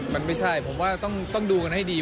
มันไม่ใช่ผมว่าต้องดูกันให้ดี